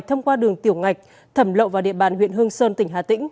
thông qua đường tiểu ngạch thẩm lộ vào địa bàn huyện hương sơn tỉnh hà tĩnh